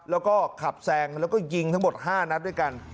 แล้วก็ขับแซงแล้วก็ยิงทั้งหมด๕นัดด้วยกัน